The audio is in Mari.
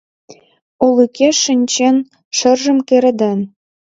Олыкеш шинчен, шержым кереден.